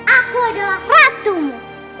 aku adalah ratumu